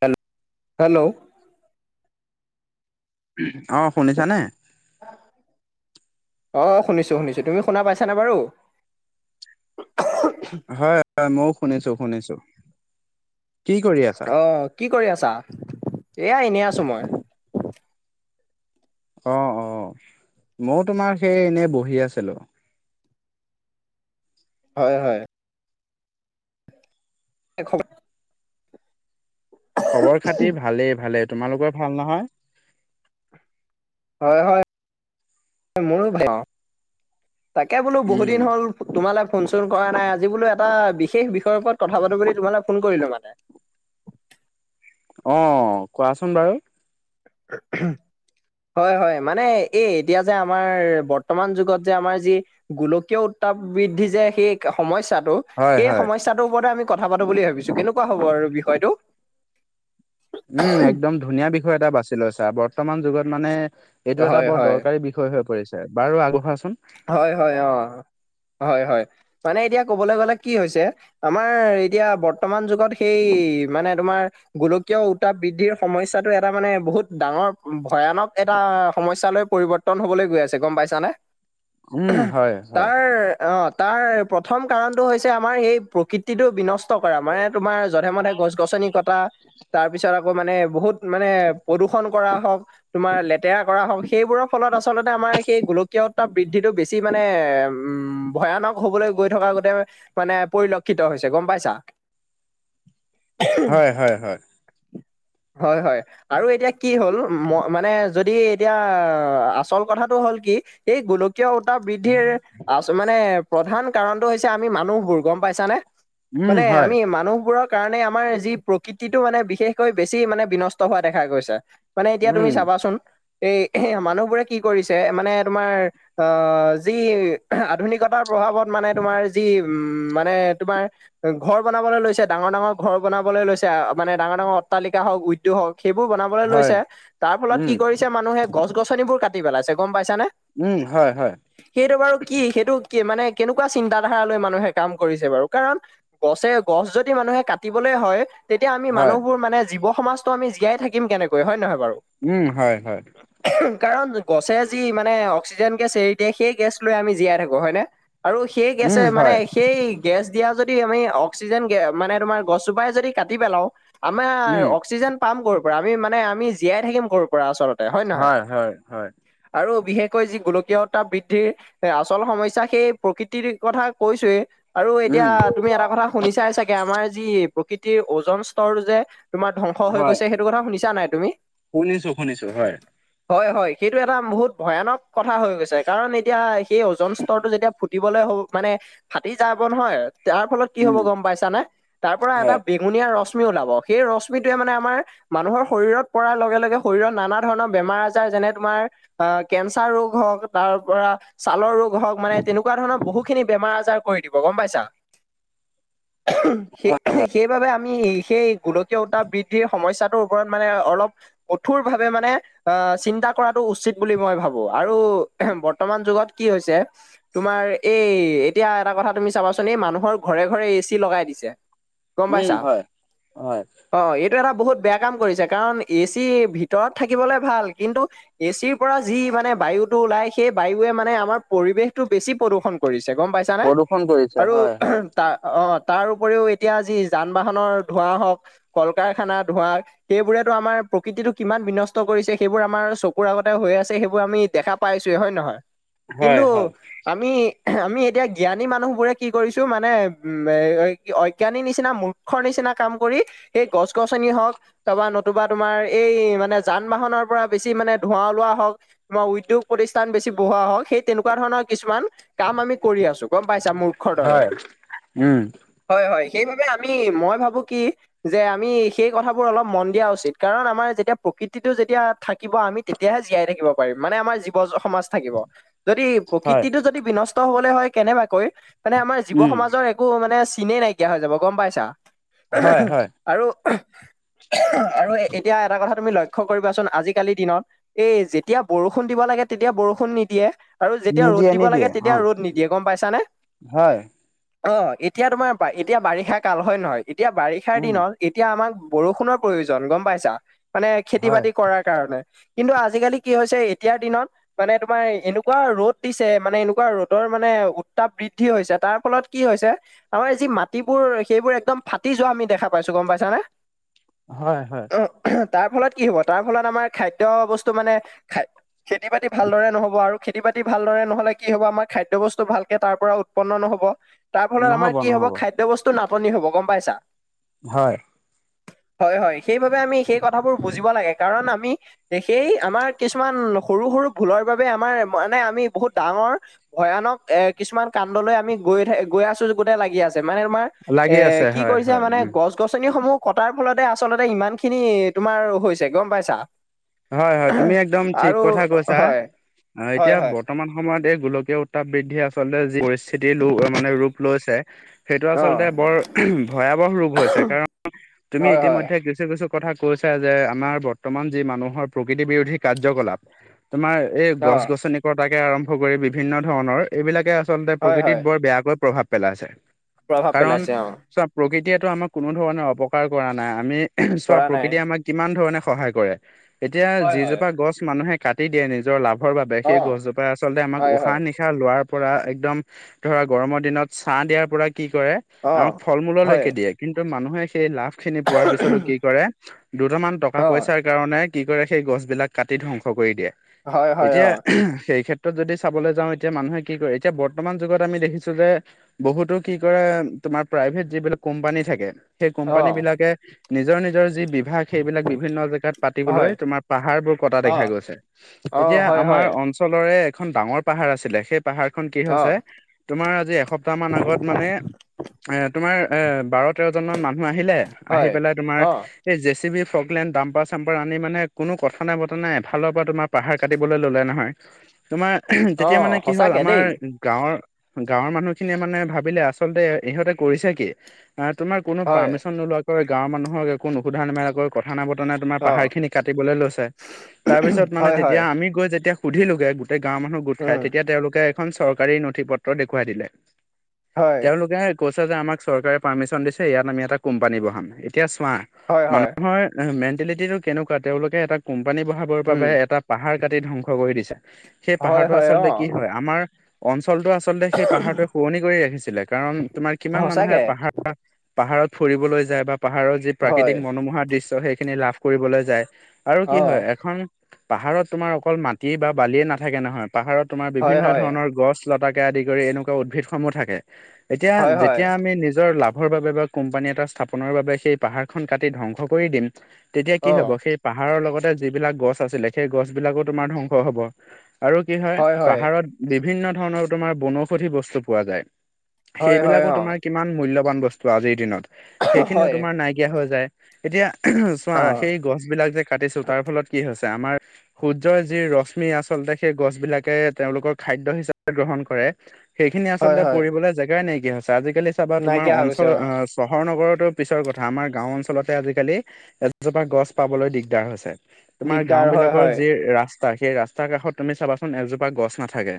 হেল hello, অ সোনিচানে। অ শুনিছো শুনিছো তুমি শুনা পাইছানে বাৰু হয় হয় মইও শুনিছো শুনিছো। কি কৰি আছা? অ কি কৰি আছা এয়া এনেই আছো মই। অ অ মইও তোমাৰ সেই এনেই বহি আছিলো। হয় হয়। [unintelligible] খবৰ খাতি ভালেই ভালেই তোমালোকৰ ভাল নহয়। হয় হয় মোৰো ভাল অ তাকে বোলো বহুত উম দিন হ'ল। তোমালে ফোন চোন কৰা নাই আজি বোলো এটা বিশেষ বিষয়ৰ ওপৰত কথা পাতো বুলি তোমালে ফোন কৰিলো মানে। অ কোৱাচোন বাৰু [unintelligible] হয় হয় মানে এই এতিয়া যে আমাৰ বৰ্তমান যুগত যে আমাৰ যি, গোলকীয় উত্তাপ বৃদ্ধি যে সেই সমস্যাটো। হয় এই হয়। সমস্যাটোৰ ওপৰতে আমি কথা পাতো বুলি ভাবিছো কেনেকুৱা হ'ব আৰু বিষয়টো। উম একদম ধুনীয়া বিষয় এটা বাছি লৈ ছা বৰ্তমান যুগত মানে এইটো এটা হয় বৰ হয় দৰকাৰী বিষ হৈ পৰিছে বাৰু আগঢ়াচোন। হয় হয় অ হয় হয় মানে এতিয়া ক'বলৈ গ'লে কি হৈছে। আমাৰ এতিয়া বৰ্তমান যুগত সেই মানে তোমাৰ। গোলকীয় উত বৃদ্ধিৰ সমস্যাটো এটা মানে বহুত ডাঙৰ ভয়ানক এটা সমস্যলৈ পৰিবৰ্তন। টন হ'বলৈ গৈ আছে গম পাইছানে। উম হয় হয়। তাৰ অ তাৰ প্ৰথম কাৰণটো হৈছে আমাৰ সেই প্ৰকৃতিটো বিনষ্ট, কষ্ট কৰা মানে তোমাৰ জধে মধে গছ গছনি কটা তাৰ পিছত আকৌ মানে বহুত মানে প্ৰদূষণ কৰা হওক। তোমাৰ লেতেৰা কৰা হওক সেইবোৰৰ ফলত আচলতে আমাৰ সেই গোলকীয় উত্তাপ, বৃদ্ধিটো বেছি মানে উম ভয়ানক হ'বলৈ গৈ থকা গোতে, মানে পৰিলক্ষিত হৈছে গম পাইছা। হয় হয় হয়। হয় হয়। আৰু এতিয়া কি হ'ল ম মানে যদি এতিয়া আচল কথাটো হ'ল কি। এই গুল কীয় উত্তাপ বৃদ্ধিৰ মানে প্ৰধান কাৰণতটো হৈছে আমি মানুহবোৰ গম পাইছানে। উম মানে হয়। আমি মানুহ বোৰক, কাৰণে আমাৰ যি প্ৰকৃতিটো মানে বিশেষকৈ বেছি মানে বিনষ্ট হোৱা দেখা গৈছে। মানে এতিয়া উম তুমি চাবাচোন এই এ মানুহবোৰে কি কৰিছে মানে তোমাৰ। অ যি আধুনিকতাৰ প্ৰভাৱত মানে তোমাৰ যি উম মানে তোমাৰ। ঘৰ বনাবলৈ লৈছে ডাঙৰ ডাঙৰ ঘৰ বনাবলৈ লৈছে মানে ডাঙৰ ডাঙৰ অট্টালিকা হওক উদ্যোগ হওক। সেইবোৰ বনাবলৈ হয়। লৈছে তাৰ ফলত উম কি কৰিছে মানুহে গছ গছনিবোৰ কাটি পেলাইছে গম পাইছানে। উম হয় হয়। সেইটো বাৰু কি সেইটো কি মানে কেনেকুৱা চিন্ত ধাৰা লৈ মানুহে কাম কৰিছে বাৰু কাৰণ, গছে গছ যদি মানুহে কাটিবলে হয়। তেতিয়া আমি হয়। মানুহবোৰ মানে জীৱ সমাজতটো আমি জীয়াই থাকম কেনেকৈ হয় নহয় বাৰু উম হয় হয়। কাৰণ গছে যি মানে। অক্সিজেন গেছ এৰি দিয়ে সেই গেছ লৈ আমি জীয়াই থাকোঁ হয়নে আৰু সেই গেছে উম মানে হয়। সেই, গেছ দিয়া যদি আমি অক্সিজেন মানে তোমাৰ গছজোপাই যদি কাটি পেলাও। আমাৰ উম অক্সিজেন পাম কৰ পৰা আমি মানে আমি জীয়াই থাকিম কৰ পৰা আচলতে, হয় নে নহয় হয় হয়। আৰু বিশেষ, কৈ যি গোলকীয়তা বৃদ্ধিৰ এ আচল সমস্যা সেই প্ৰকৃতিৰ কথা কৈছোয়েই, আৰু এতিয়া উম। তুমি এটা কথা। শুনি চাই চাগে আমাৰ যি প্ৰকৃতিৰ ওজন স্তৰ যে তোমাৰ ধ্বংস হৈ হয় গৈছে সেই, টো কথা শুনিছা নাই তুমি। শুনিছো শুনিছো হয়। হয় হয় সেইটো এটা বহুত ভয়ানক। কথা হৈ গৈছে কাৰণ এতিয়া সেই ওজন স্তৰটো যেতিয়া ফুটিবলৈ হ মানে, ফাটি যাব নহয় তাৰ ফলত কি হ'ব উম গম পাইছানে তাৰ পৰা এটা হয় বেঙুনীয়া ৰশ্মি ওলাব। সেই ৰশ্মিটোৱে মানে আমাৰ। মানুহৰ শৰীৰত পৰাৰ লগে লগে শৰীৰত নানা ধৰণৰ বেমাৰ আজাৰ যেনে তোমাৰ কেন্স চাৰ হওক তাৰ পৰা, ছালৰ ৰোগ হওক মানে তেনেকুৱা ধৰণৰ বহু খিনি বেমাৰ আজাৰ কৰি দিব গম পাইছা। অ'ম সে সেই, সেইবাবে আমি সেই গোলকীয় উত্তাপ বৃদ্ধিৰ সমস্যাটোৰ ওপৰত মানে অলপ, কঠোৰ ভাৱে মানে আহ চিন্তা কৰাটো উচিত বুলি মই ভাবো। আৰু বৰ্তমান যুগত কি হৈছে, তোমাৰ এই এতিয়া এটা কথা তুমি চাবাচোন এই মানুহৰ ঘৰে ঘৰে এ চি লগাই দিছে। গম উম পাইছা। হয় হয় অ এইটো এটা বহুত বেয়া কাম কৰিছে কাৰণ এ চি ভিতৰত থাকিবলে ভাল কিন্তু, এ চিৰ পৰা যি বা মানে বায়ুটো ওলাই সেই বায়ুে মানে আমাৰ পৰিৱেশতটো বেছি প্ৰদূষণ কৰিছে গম পাইছে নে। জানে প্ৰদূষণ কৰিছে আৰু হয় হয়। তাৰ অ তাৰ উপৰিও এতিয়া যি যান বাহনৰ ধোঁৱা হওক কল কাৰখানা ধোঁৱা, সেইবোৰেতো আমাৰ প্ৰকৃতিটো কিমান বিনষ্ট কৰিছে সেইবোৰ আমাৰ চকুৰ আগতে হৈ আছে সেইবোৰ, আমি দেখা পাইছোয়ে হয় নহয় হয় কিন্তু, হয় আমি আমি এতিয়া জ্ঞানী মানুহবোৰে কি কৰিছো মানে উম অজ্ঞানীৰ নিচিনা মূ মূৰ্খৰ নিচিনা কাম কৰি সেই গছ গছনিয়ে হওক, তাৰপা নতুবা তোমাৰ এই মানে যান বাহনৰ পৰা বেছি মানে ধোঁৱা ওলোৱা হওক, বা উদ্যোগ প্ৰতিষ্ঠান বেছি বঢ়োৱা হওক সেই তেনেকুৱা ধৰণৰ কিছুমান কাম আমি কৰি আছো। গম পাইছা মূৰ্খৰ দৰে হয় উম, হয় হয় সেইবাবে আমি মই ভাবো কি। যে আমি সেই কথাবোৰ অলপ মন দিয়া উচিত কাৰণ আমাৰ যেতিয়া প্ৰকৃতিটো যেতিয়া থাকিব আমি। তেতিয়াহে জীয়াই থাকিব পাৰিম মানে আমাৰ জীৱ সমাজ থাকিব যদি হয় প্ৰকৃতিত য যদি বিনষ্ট হবলৈ হয় কেনেবাকৈ মানে আমাৰ জীৱ উম, সমাজৰ এক, একো মানে চিনে নাইকিয়া হৈ যাব গম পাইছা আ হয় হম হয়। আৰু আৰু এতিয়া এটা কথা তুমি লক্ষ্য কৰিবাচোন আজিকালিৰ দিনত সেই যে, যেতিয়া বৰষুণ দিব লাগে তেতিয়া বৰষুণ নিদিয়ে। আৰু যেতিয়া ৰ'দ নিদিয়ে দিব লাগে নিদিয়ে অ তেতিয়া ৰ'দ নিদিয়ে গম পাইছানে। হয়। অ' এতিয়া তোমাৰ পা- এতিয়া বাৰিষাকাল হয় নহয়? এতিয়া বাৰিষাৰ উম। দিনত এতিয়া আমাক বৰষুণৰ প্ৰয়োজন, গম পাইছা? মানে হয় খেতি-বাতি কৰাৰ কাৰণে। কিন্তু আজিকালি কি হৈছে, এতিয়াৰ দিনত মানে তোমাৰ এনেকুৱা ৰ'দ দিছে, মানে এনেকুৱা ৰ'দৰ মানে উত্তাপ বৃদ্ধি হৈছে, তাৰ ফলত কি হৈছে, আমাৰ যি মাটিবোৰ সেইবোৰ একদম ফাটি যোৱা আমি দেখা পাইছোঁ, গম পাইছানে? হয় - হয়। অ তাৰ ফলত কি হ'ব? তাৰ ফলত আমাৰ খাদ্য-বস্তু মানে খেতি-বাতি ভালদৰে নহব আৰু খেতি-বাতি ভালদৰে নহলে কি হব আমাৰ, খাদ্য-বস্তু ভালকে তাৰ পৰা উৎপন্ন নহব। তাৰ ফলত নহ'ব আমাৰ কি হব, নহ'ব। খাদ্য-বস্তু নাটনি হব, গম পাইছা? হয়। হয় - হয়, সেইবাবে আমি সেই কথাবোৰ বুজিব লাগে। কাৰণ আমি- সেই আমাৰ কিছুমান সৰু - সৰু ভুলৰ বাবে আমাৰ মানে আমি বহুত ডাঙৰ ভয়ানক এ- কিছুমান কাণ্ডলৈ আমি গৈ থা- গৈ আছোঁ কতে লাগি আছে, মানে তোমাৰ লাগি এ- আছে কি হয় কৰিছে হয় মানে, উম। গছ গছনিসমূহ কটাৰ ফলতে আচলতে ইমানখিনি তোমাৰ হৈছে, গম পাইছা? হয় - হয়, তুমি একদম ঠিক আৰু কথা কৈছা। হয় হয় এতিয়া হয় বৰ্তমান সময়ত এই গোলকীয় উত্তাপ বৃদ্ধিয়ে আচলতে যি পৰিস্থিতি ল- মানে ৰূপ লৈছে সেইটো অ আচলতে বৰ ভয়াৱহ ৰূপ হৈছে। কাৰণ তুমি হয় হয় ইতিমধ্যে কিছু - কিছু কথা কৈছা যে, আমাৰ বৰ্তমান যি মানুহৰ প্ৰকৃতি-বিৰোধী কাৰ্যকলাপ তোমাৰ এই অ গছ-গছনি কটাকে আৰম্ভ কৰি বিভিন্ন ধৰণৰ এইবিলাকে আচলতে হয় প্ৰকৃতিত হয় বৰ বেয়াকৈ প্ৰভাৱ পেলাইছে। প্ৰভাৱ কাৰণ পেলাইছে অ প্ৰকৃতিয়েতো আমাক কোনোধৰণে অপকাৰ কৰা নাই। আমি- চোৱা পৰা নাই প্ৰকৃতিয়ে আমাক কিমান ধৰণে সহায় কৰে। এতিয়া হয় হয় যিজোপা গছ মানুহে কাটি দিয়ে নিজৰ লাভ ৰ বাবে, অ সেই গছজোপাই আচলতে আমাক হয় হয় উশাহ-নি শাহ লোৱাৰ পৰা একদম ধৰা, গৰমৰ দিনত ছাঁ দিয়াৰ পৰা কি কৰে অ আমাক হয় ফল-মূললৈকে দিয়ে, কিন্তু মানুহে সেই লাভখিনি পোৱাৰ পিছতো কি কৰে, দুটামান অ টকা-পইচাৰ কাৰণে কি কৰে, সেই গছবিলাক কাটি ধ্বংস কৰি দিয়ে। হয় হয় এতিয়া, অ সেই ক্ষে ত্ৰত যদি চাবলৈ যাওঁ, এতিয়া মানুহে কি কৰে, এতিয়া বৰ্তমান যুগত আমি দেখিছোঁ যে বহুতো কি কৰে, তোমাৰ প্ৰাইভেট যিবিলাক কোম্পানী থাকে সেই অ কোম্পানীবিলাকে নিজৰ - নিজৰ যি বিভাগ, সেইবিলাক বিভিন্ন জা তিবলৈ হয় তোমাৰ পাহাৰবোৰ কটা অ দেখা গৈছে। অ এতিয়া হয় হয় আমাৰ অঞ্চ লৰে এখন ডাঙৰ পাহাৰ আছিলে। সেই পাহাৰখন কি অ হৈছে তোমাৰ আজি এসপ্তাহমান আগত মানে এ তোমাৰ এ- বাৰ-তেৰজনমান মানুহ আহিলে আহি হয় পেলাই তোমাৰ অ এই জে চি বি ফকলেণ্ড দামপা দাম্পাৰ আনি মানে কোনো কথা নাই, বতৰা নাই, এফালৰ পৰা তোমাৰ পাহাৰ কাটিবলৈ ললে নহয়। তোমাৰ- অ তেতিয়া মানে কি হ'ল, সঁচাকে আমাৰ দেই গাঁৱৰ- গাঁৱৰ মানুহখিনিয়ে মানে ভাবিলে আচলতে ইহঁতে কৰিছে কি? আ- তোমাৰ কোনো হয় পাৰ্মিচন নোলোৱাকৈ, গাঁৱৰ মানুহক একো নোসোধা-নেমেলাকৈ, কথা নাই-বতৰা নাই তোমাৰ অ পাহাৰখিনি কাটিবলৈ লৈছে। তাৰপিছত মানে হয় হয় তেতিয়া আমি গৈ যেতিয়া সুধিলোগে গোটেই গাঁৱৰ মানুহ গোট খাই, উম তেতিয়া তেওঁলোকে এখন চৰকাৰী নথি পত্ৰ দেখুৱাই দিলে। হয় তেওঁলোকে কৈছে যে, আমাক চৰকাৰে পাৰ্মিচন দিছে। ইয়াত আমি এটা কোম্পানী বহাম। এতিয়া চোৱা, হয় হয় মানুহৰ মেণ্টেলিটিটো কেনেকুৱা। তেওঁলোকে এটা কোম্পানী বহাবৰ বাবে উম এটা পাহাৰ কাটি ধ্বংস কৰি দিছে। সেই হয় পাহাৰটো হয় অ আচলতে কি হয়, আমাৰ অঞ্চলটো আ চলতে সেই পাহাৰটো শুৱনি কৰি ৰাখিছিলে। কাৰণ তোমাৰ কিমান মানুহে সঁচাকে পাহাৰ পাহাৰত ফুৰিবলৈ যায় বা পাহাৰৰ যি হয় প্ৰাকৃতিক মনোমোহা দৃশ্য, সেইখিনি লাভ কৰিবলৈ যায়। আৰু কি অ হয়, এখন পাহাৰত তোমাৰ অকল মাটি বা বালিয়ে নাথাকে নহয় পাহাৰত তোমাৰ হয় হয় বিভিন্নধৰণৰ গছ-লতাকে আদি কৰি এনেকুৱা উদ্ভিদসমূহ থাকে। এতিয়া হয় হয় যেতিয়া আমি নিজৰ লাভৰ বাবে বা কোম্পানী এটা স্থাপনৰ বাবে সেই পাহাৰ খন কাটি ধ্বংস কৰি দিম। তেতিয়া কি অ হব সে- পাহাৰৰ লগতে যিবিলাক গছ আছিলে সেই গছ বিলাকো তোমাৰ ধ্বংস হব। আৰু কি হয় পাহাৰত বিভিন্ন ধৰণৰ তোমাৰ বনৌষধি বস্তু পোৱা যায়। হয় হয় সেইবিলাকো অ তোমাৰ কিমান মূল্যবান বস্তু আজিৰ দিনত সেইখিনিও হয় তোমাৰ নাইকিয়া হৈ যায়। এতিয়া চোৱা অ সেই গছ বিলাক যে কাটিছো তাৰ ফলত কি হৈছে আমাৰ সূৰ্যৰ যি ৰশ্মি আচলতে সেই গছ বিলাকে তেওঁলোকৰ খাদ্য হিচাপে গ্ৰহণ কৰে। সেইখিনি হয় আচলতে হয় পঢ়িবলৈ জেগাই নাইকিয়া হৈছে আজিকালি চাবা তোমাৰ নাইকিয়া হৈ গৈছে অঞ্চল অ আহ চহৰ নগৰতো পিছৰ কথা আমাৰ গাওঁ অঞ্চলতে আজিকালি এজোপা গছ পাবলৈ দিগদাৰ হৈছে। তোমাৰ গাওঁ দিগদাৰ হয় বিলাকৰ হয় যি ৰা- স্তা সেই ৰাস্তাৰ কাষত তুমি চাবাচোন এজোপা গছ নাথাকে,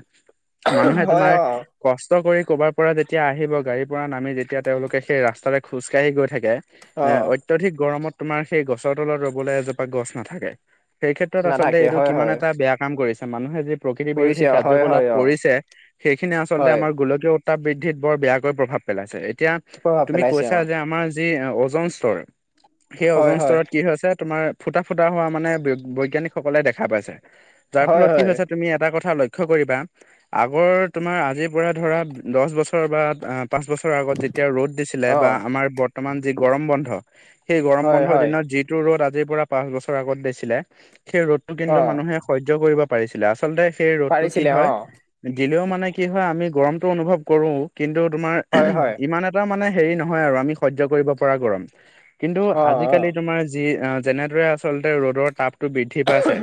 মানুহে হয় তোমাৰ অ কষ্ট কৰি কৰবাৰ পৰা যেতিয়া আহিব গাড়ীৰ পৰা নামি যেতিয়া তেওঁলোকে সেই ৰাস্তাতে খোজকাঢ়ি গৈ থাকে। এ অ অত্যধিক গৰমত তোমাৰ সেই গছৰ তলত ৰবলৈ এজোপা গছ নাথাকে। সেই ক্ষেত্ৰত আচলতে নাথাকে এইটো হয় কিমান হয় এটা বেয়া কাম কৰিছে। মানুহে যিব- প্ৰকৃতি কৰিছে বিৰোধী অ হয় হয় কাৰ্যকলাপ অ কৰিছে সেইখিনিয়ি আচলতে হয় আমাৰ গোলকীয় তা বৃদ্ধিত বৰ বেয়াকৈ প্ৰভাৱ পেলাইছে, এতিয়া প্ৰভাৱ তুমি পেলাইছে কৈছা অ যে আমাৰ যি অজন স্তৰ সেই হয় অজন স্ত- হয় কি হৈছে তোমাৰ ফুটা ফুটা হোৱা মানে বৈজ্ঞানিক সকলে দেখা পাইছে যাৰ হয় ফলত কি হয় হৈছে তুমি এটা কথা লক্ষ্য কৰিবা আগৰ তোমাৰ আজিৰ পৰা ধৰা দছ বছৰ বা পাঁচ বছৰ ধৰ যেতিয়া ৰ'দ দিছিলে অ বা আমাৰ বৰ্তমান যি গৰম বন্ধ সেই গৰম হয় বন্ধৰ হয় দিনত যিটো ৰ'দ আজিৰ পৰা পাঁচ বছৰ আগত দিছিলে সেই ৰ'দতটো অ কিন্তু মানুহে সহ্য কৰিব পাৰিছিলে আচ- চলতে সেই ৰ'দতটো কি পাৰিছিলে অ হয় দিলেও মানে কি হয় আমি গৰমতটো অনুভৱ কৰো। কিন্তু তোমাৰ হয় হয় ইমান এটা মানে হেৰি নহয় আৰু আমি সহ্য কৰিব পৰা গৰম। কিন্তু অ অ আজিকালি তোমাৰ যি যেনেদৰে আচলতে ৰ'দৰ তাপ টো বৃদ্ধি পাইছে,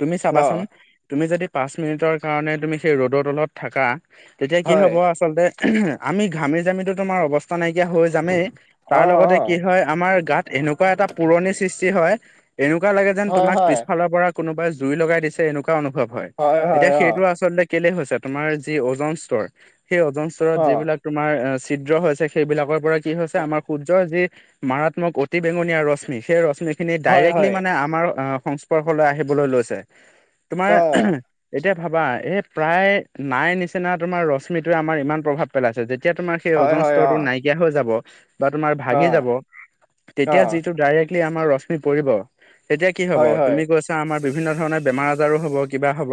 তুমি অ চাবাচোন - তুমি যদি পাঁচ মিনিটৰ কাৰণে তুমি সেই ৰ'দৰ তলত থাকা তেতিয়া কি হয় হ'ব আচলতে আমি ঘামি জামিতো তোমাৰ অৱস্থা নাইকিয়া হৈ যামেই অ তাৰ লগতে অ কি হয় আমাৰ গাত এনেকুৱা এটা পুৰণি সৃষ্টি হয় এনেকুৱা লাগে যেন হয় তোমাক হয় পিছফালৰ পৰা কোনোবাই জুই লগাই দিছে এনেকুৱা অনুভৱ হয় হয় এতিয়া অ সেইটো আচলতে কেলে হৈছে তোমাৰ যি অজন স্তৰ সেই অজন স্তৰত অ যিবিলাক তোমাৰ ছিদ্ৰ হৈছে সেইবিলাকৰ পৰা কি হৈছে আমাৰ সূৰ্যৰ যি মাৰাত্মক উ- অতি বেঙুনীয়া ৰশ্মি সেই ৰশ্মিখিনি হয় ডাইৰেক্টলি হয় মানে আমাৰ সং- স্পৰ্শ আহিবলৈ লৈছে। তোমাৰ অ এতিয়া ভাবা এই প্ৰায় নাই নিচিনা তোমাৰ ৰশ্মিটোৱে আমাৰ ইমান প্ৰভাৱ পেলাইছে যেতিয়া তোমাৰ সেই হয় অজন হয় অ স্তৰটো নাইকিয়া হৈ যাব বা তোমাৰ অ ভাগি যাব অ তেতিয়া যিটো ডাইৰেক্টলি আমাৰ ৰশ্মি পৰিব এতিয়া কি হব হয় হয় তুমি কৈছা আমাৰ বিভিন্ন ধৰণৰ বেমাৰ আজাৰো হব কিবা হব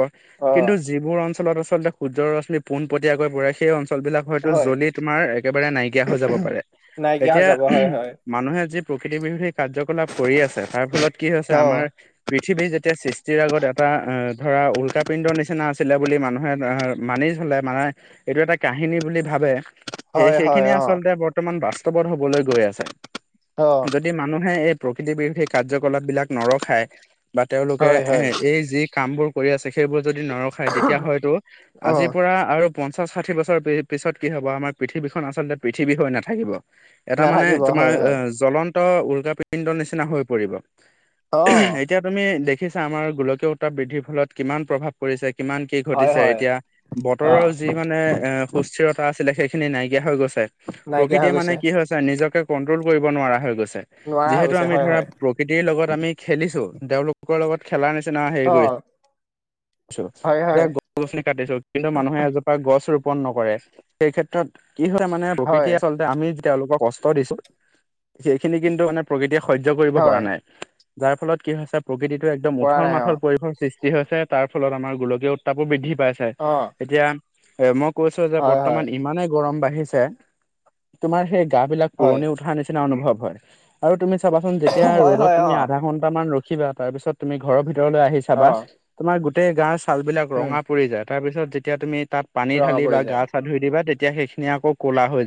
অ কিন্তু যি- যিবোৰ অঞ্চলত আচলতে সূৰ্যৰ ৰশ্মি পোনপটীয়াকৈ পৰে সেই অঞ্চ- তলবিলাক হয়তো হয় জ্বলি তোমাৰ একেবাৰে নাইকিয়া হৈ যাব পাৰে। নাইকিয়া হৈ এতিয়া যাব হয় হয়। মানুহে যি প্ৰকৃতি বিৰোধী কাৰ্যকলাপ কৰি আছে তাৰ ফলত কি হৈছে অ আমাৰ পৃথিৱীৰ যেতিয়া সৃষ্টিৰ আগত এটা ধৰা উল্কাাপিণ্ডৰ নিচিনা আছিলে বুলি মানুহে মানিজ হলে মানে এইটো এটা কাহিনী বুলি ভাবে সেই হয় হয় সেইখিনিয়ে অ আচলতে বৰ্তমান বাস্তৱত হবলৈ গৈ আছে। অ। যদি মানুহে এই প্ৰকৃতি বিৰোধী কাৰ্যকলাপ বিলাক নৰখায় বা তেওঁলোকে হয় এ হয় এই যি কামবোৰ পৰি আছে সেইবোৰ যদি নৰখায় তেতিয়া হয়তো অ আজিৰ পৰা আৰু পঞ্চাশ ষাঠি বছৰ পিছত কি হব আমাৰ পৃথিৱীখন আচলতে পৃথিৱী হৈ নাথাকিব। এটা মানে নাথাকিব তোমাৰ হয় হয় জ্বলন্ত উল্কা পিণ্ড নিচিনা হৈ পৰিব। অ। এতিয়া তুমি দেখিছা আমাৰ গোলকীয় উত্তাপ বৃদ্ধিৰ ফলত কিমান প্ৰভাৱ পৰিছে। কিমান কি হয় ঘটিছে হয় এতিয়া অ বতৰৰ যি মানে এ সুস্থিৰতা আছিলে সেইখিনি নাইকিয়া হৈ গৈছে। নাইকিয়া হৈ প্ৰকৃতিয়ে মানে গৈছে কি হৈছ নিজকে কণ্ট্ৰল কৰিব নোৱাৰা হৈ গৈছে। নোৱাৰা হৈ যিহেতু গৈছে আমি হয় ধৰা হয় প্ৰ প্ৰকৃতিৰ লগত আমি খেলিছো। তেওঁলোক কুকুৰৰ লগত খেলা নিচিনা হেৰি অ কৰি কৰি ছো। হয় এইয়া হয় গ গছনি কাটিছো, কিন্তু মানুহে এজোপা গছ ৰোপন নকৰে। সেই ক্ষেত্ৰত কি হয় মানে হয় প্ৰকৃতিয়ে আচলতে আমি তেওঁলোকক কষ্ট দিছো। সেইখিনি কিন্তু মানে প্ৰকৃতিয়ে সহ্য কৰিব পৰা হয় নাই। যাৰ ফলত কি হৈছে প্ৰকৃতিটো একদম পৰা উঠল নাই অ মাথল পৰিৱেশৰ সৃষ্টি হৈছে। তাৰ ফলত আমাৰ গোলকীয় উত্তাপো বৃদ্ধি পাই অ এতিয়া এ মই কৈছো যে হয় হয় বৰ্তমান ইমানেই গৰম বাঢ়িছে। তোমাৰ সেই গা বিলাক হয় পুৰণি উঠাৰ নিচিনা অনুভৱ হয়। আৰু তুমি চাবাচোন। যেতিয়া হয় ৰ'দত হয় তুমি অ আধা ঘণ্টামান ৰখিবা তাৰ পিছত তুমি ঘৰৰ ভিতৰলৈ আহিছ অ চাবা তোমাৰ গোটেই গাৰ ছাল বিলাক উম ৰঙা পৰি যায়। তাৰপিছত যেতিয়া তুমি তাত পানী ৰঙা ঢালি পৰি বা যায় গা-চা ধুই দিবা তেতিয়া সেইখিনি আকৌ ক'লা হৈ যায়।